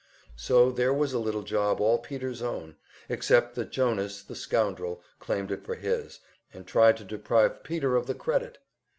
So there was a little job all Peter's own; except that Jonas, the scoundrel, claimed it for his, and tried to deprive Peter of the credit!